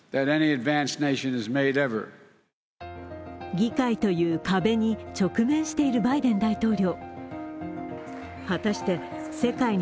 議会という壁に直面しているバイデン大統領。